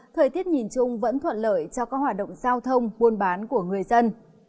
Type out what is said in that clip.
thời tiết nhìn chung vẫn thuận lợi cho các hoạt động giao thông buôn bán của người dân